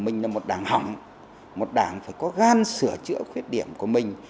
mình là một đảng hỏng một đảng phải có gan sửa chữa khuyết điểm của mình